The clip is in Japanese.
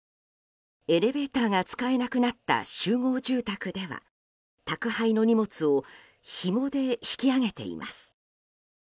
エレベーターが使えなくなった集合住宅では宅配の荷物をひもで引き上げています。